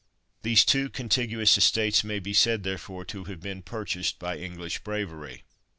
These two contiguous estates may be said, therefore, to have been purchased by English bravery.